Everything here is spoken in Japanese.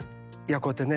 こうやってね